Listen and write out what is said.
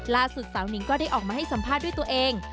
สาวนิงก็ได้ออกมาให้สัมภาษณ์ด้วยตัวเอง